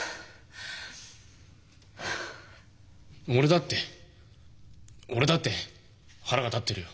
俺だって俺だって腹が立ってるよ。